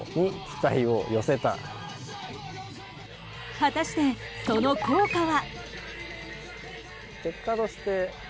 果たして、その効果は。